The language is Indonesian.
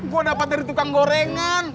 gue dapat dari tukang gorengan